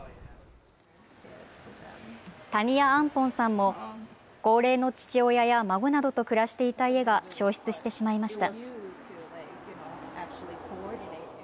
タニア・アンポンさんも、高齢の父親や孫などと暮らしていた家が焼失してしまいました。